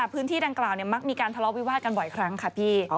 พื้นที่ดังกล่าวมักมีการทะเลาะวิวาดกันบ่อยครั้งค่ะพี่